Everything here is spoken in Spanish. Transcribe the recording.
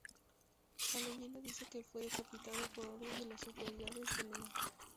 La leyenda dice que fue decapitado por orden de las autoridades del lugar.